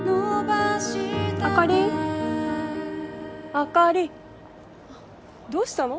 あかりあどうしたの？